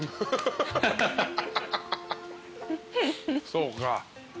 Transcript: そうか。